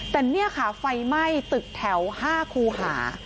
แต่นี่ค่ะไฟไหม้ตึกแถว๕คูหา